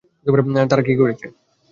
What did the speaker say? তারা কী করেছে?